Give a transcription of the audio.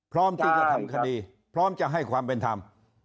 พร้อมที่จะทำคดีพร้อมจะให้ความเป็นธรรม